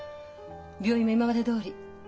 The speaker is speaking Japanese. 病院も今までどおり。